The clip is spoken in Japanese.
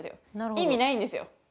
意味ないんですよ。